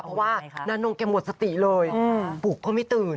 เพราะว่านานงแกหมดสติเลยปลุกก็ไม่ตื่น